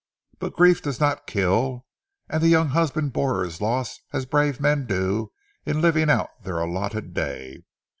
But grief does not kill, and the young husband bore his loss as brave men do in living out their allotted day.